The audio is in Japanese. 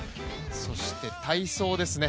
そして体操ですね。